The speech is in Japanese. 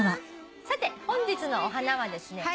さて本日のお花はですね